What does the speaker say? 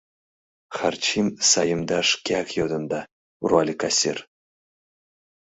— Харчим саемдаш шкеак йодында, — руале кассир.